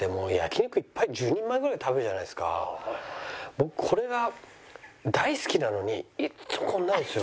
僕これが大好きなのにいつもこんなですよ。